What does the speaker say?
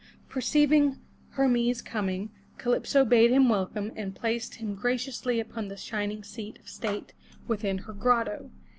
Perceiving Hermes coming, Calypso bade him welcome and placed him graciously upon the shining seat of state within her grotto.